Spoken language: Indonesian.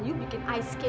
lu bikin ay terluka